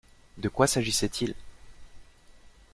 De quoi s'agissait-il?